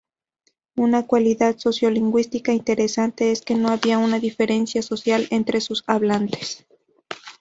Una cualidad sociolingüística interesante es que no había una diferenciación social entre sus hablantes.